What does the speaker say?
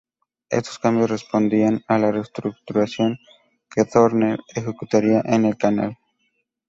Estos cambios respondían a la reestructuración que Turner ejecutaría en el canal.